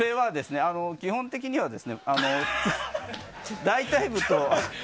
基本的には、大腿部と。